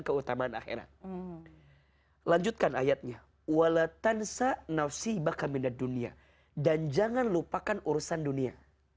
keutamaan akhirat lanjutkan ayatnya waletansa nafsi bakal mendat dunia dan jangan lupakan urusan dunia